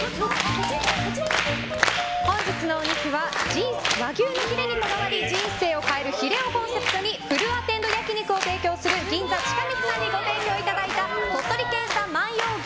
本日のお肉は和牛のヒレにこだわり人生を変えるヒレをコンセプトにフルアテンド焼き肉を提供する銀座ちかみつさんにご提供いただいた鳥取県産万葉牛